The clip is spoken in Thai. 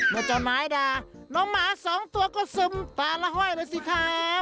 เมื่อเจ้าน้ายด่าน้องหมา๒ตัวก็สึมต่านละห้อยดิสิครับ